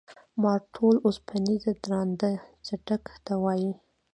مارتول اوسپنیز درانده څټک ته وایي.